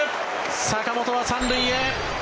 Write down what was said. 坂本は３塁へ。